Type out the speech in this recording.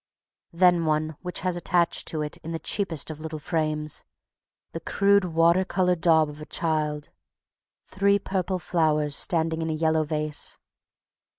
_ Then one which has attached to it, in the cheapest of little frames, the crude water color daub of a child, three purple flowers standing in a yellow vase.